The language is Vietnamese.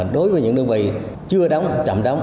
đối với những đơn vị chưa đóng chậm đóng